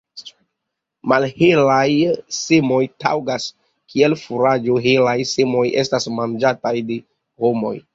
Malhelaj semoj taŭgas kiel furaĝo, helaj semoj estas manĝataj de homoj.